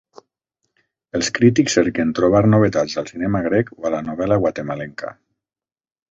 Els crítics cerquen trobar novetats al cinema grec o a la novel·la guatemalenca.